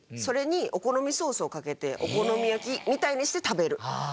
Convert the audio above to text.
それにお好みソースをかけてお好み焼きみたいにして食べる。